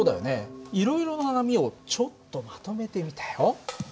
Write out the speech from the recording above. いろいろな波をちょっとまとめてみたよ。